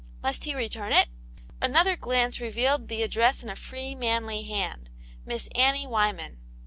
must he return it? Another glance revealed the address in a free, manly hand — "Miss Annie Wyman."